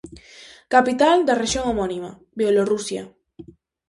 Capital da rexión homónima, Bielorrusia.